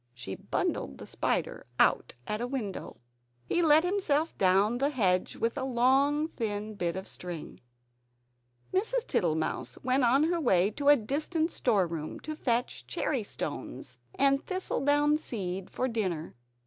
She bundled the spider out at a window. He let himself down the hedge with a long thin bit of string. Mrs. Tittlemouse went on her way to a distant storeroom, to fetch cherrystones and thistle down seed for dinner.